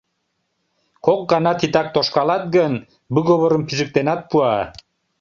Кок гана титак тошкалат гын, выговорым пижыктенат пуа.